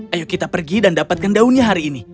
ayo kita pergi dan dapatkan daunnya hari ini